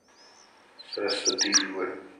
Saraswati River.